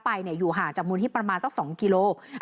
ไปเนี่ยอยู่ห่างจากมูลที่ประมาณสักสองกิโลกรัม